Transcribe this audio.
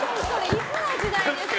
いつの時代ですか？